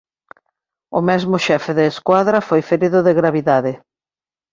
O mesmo xefe de escuadra foi ferido de gravidade.